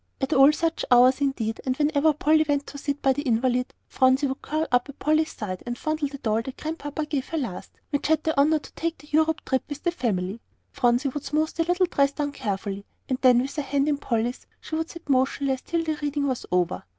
At all such hours, indeed, and whenever Polly went to sit by the invalid, Phronsie would curl up at Polly's side, and fondle the doll that Grandpapa gave her last, which had the honour to take the European trip with the family. Phronsie would smooth the little dress down carefully, and then with her hand in Polly's, she would sit motionless till the reading was over.